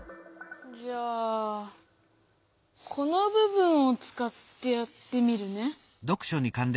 じゃあこのぶ分をつかってやってみるね。